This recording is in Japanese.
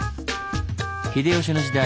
秀吉の時代